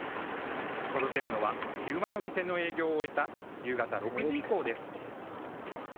届けるのは、昼間の店の営業を終えた夕方６時以降です。